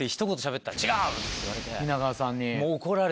蜷川さんに。